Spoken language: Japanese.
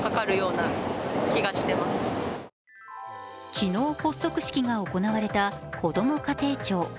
昨日発足式が行われたこども家庭庁。